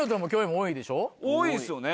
多いですよね。